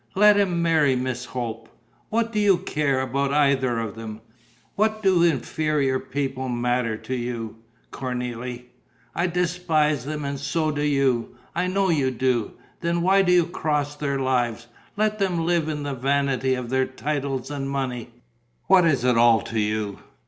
Let him marry Miss Hope: what do you care about either of them? What do inferior people matter to you, Cornélie? I despise them and so do you. I know you do. Then why do you cross their lives? Let them live in the vanity of their titles and money: what is it all to you?